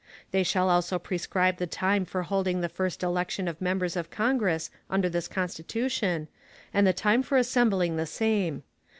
They shall also prescribe the time for holding the first election of members of Congress under this Constitution, and the time for assembling the same.